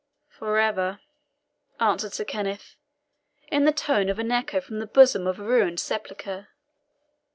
"For ever," answered Sir Kenneth, in the tone of an echo from the bosom of a ruined sepulchre.